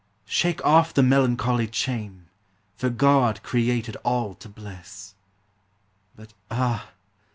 Shake off the melancholy chain, For God created all to bless. But ah!